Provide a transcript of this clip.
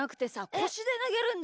こしでなげんの。